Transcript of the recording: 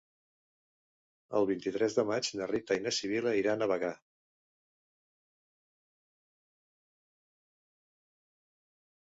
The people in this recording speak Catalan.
El vint-i-tres de maig na Rita i na Sibil·la iran a Bagà.